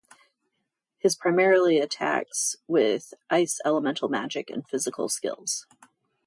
His primarily attacks with ice elemental magic and physical skills.